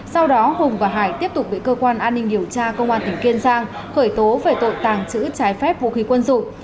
sau đó hùng và hải tiếp tục bị cơ quan an ninh điều tra công an tỉnh kiên giang khởi tố về tội tàng trữ trái phép vũ khí quân dụng